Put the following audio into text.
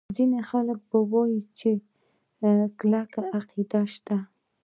ځیني خلک به ووایي چې کلکه عقیده شته.